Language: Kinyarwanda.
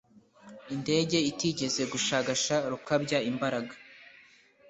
indege itigeze gushagasha rukabya imbaraga